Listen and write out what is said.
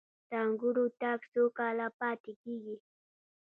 د انګورو تاک څو کاله پاتې کیږي؟